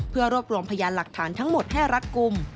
เพื่อรวบรวมพยานหลักฐานทั้งหมดให้รัดกลุ่ม